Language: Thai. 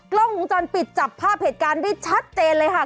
กล้องวงจรปิดจับภาพเหตุการณ์ได้ชัดเจนเลยค่ะ